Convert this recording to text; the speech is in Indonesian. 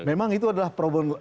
memang itu adalah problem